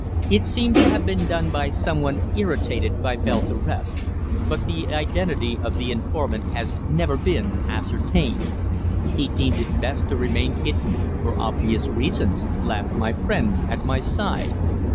It seemed to have been done by some one irritated by Bell's arrest. But the identity of the informant has never been ascertained. He deemed it best to remain hidden for obvious reasons," laughed my friend at my side.